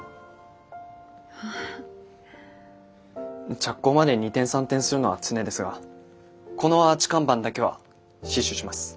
着工まで二転三転するのは常ですがこのアーチ看板だけは死守します。